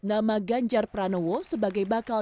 nama ganjar pranowo sebagai bakal